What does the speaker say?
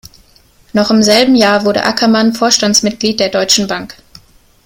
Noch im selben Jahr wurde Ackermann Vorstandsmitglied der Deutschen Bank.